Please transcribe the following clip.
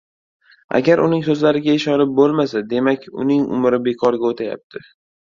Agar uning so‘zlariga ishonib bo‘lmasa, demak, uning umri bekorga o‘tayapti”.